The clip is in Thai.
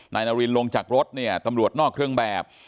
นายนารินลงจากรถเนี่ยตำรวจนอกเครื่องแบบ